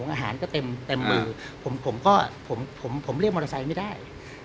อาหารก็เต็มมือผมก็ผมเรียกมอเตอร์ไซค์ไม่ได้